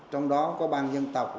trong đó có ban dân tộc